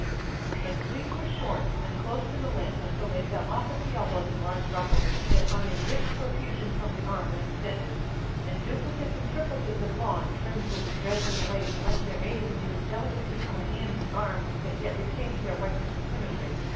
The sleeves were short, and close to the limb, until they fell off at the elbows in large ruffles, that hung in rich profusion from the arm when extended; and duplicates and triplicates of lawn, trimmed with Dresden lace, lent their aid in giving delicacy to a hand and arm that yet retained their whiteness and symmetry.